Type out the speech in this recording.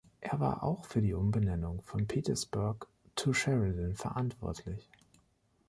Er war auch für die Umbenennung von Petersburg to Sheridan verantwortlich.